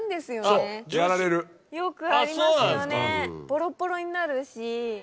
ボロボロになるし。